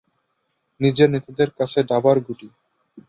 নিজের নেতাদের কাছে দাবার গুটি।